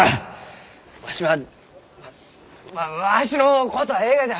わしはまあわしのことはえいがじゃ！